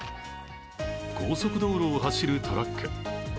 高速道路を走るトラック。